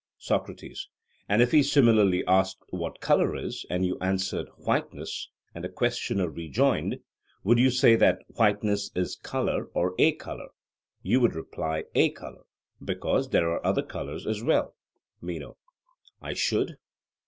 SOCRATES: And if he similarly asked what colour is, and you answered whiteness, and the questioner rejoined, Would you say that whiteness is colour or a colour? you would reply, A colour, because there are other colours as well. MENO: I should.